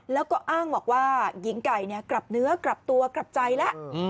แล้วก็อ้างบอกว่าหญิงไก่กลับเนื้อกลับตัวกลับใจแล้ว